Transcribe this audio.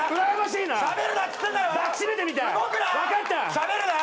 しゃべるな。